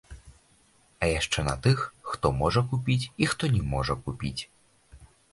А яшчэ на тых, хто можа купіць і хто не можа купіць.